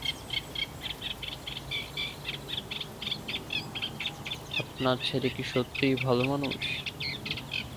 আপনার ছেলে কি সত্যিই ভালো মানুষ?